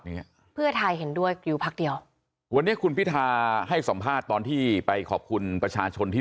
เนี้ยเพื่อไทยเห็นด้วยอยู่พักเดียววันนี้คุณพิทาให้สัมภาษณ์ตอนที่ไปขอบคุณประชาชนที่